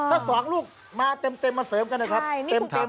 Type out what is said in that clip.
ถ้าสองลูกมาเต็มมาเสริมกันนะครับเต็ม